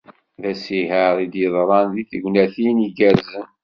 D asiher i d-yeḍran deg tegnatin igerrzen.